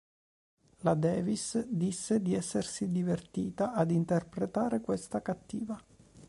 La Davis disse di essersi divertita ad interpretare questa "cattiva".